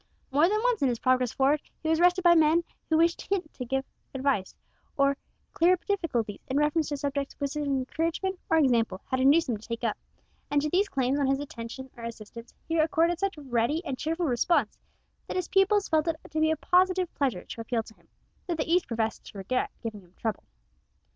More than once in his progress "for'ard" he was arrested by men who wished hint to give advice, or clear up difficulties in reference to subjects which his encouragement or example had induced them to take up, and to these claims on his attention or assistance he accorded such a ready and cheerful response that his pupils felt it to be a positive pleasure to appeal to him, though they each professed to regret giving him "trouble."